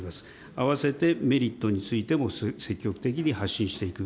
合わせてメリットについても積極的に発信していく、